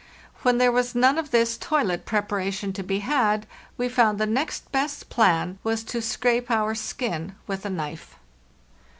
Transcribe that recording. When there was none of this toilet preparation to be had, we found the next best plan was to scrape our skin with a knife.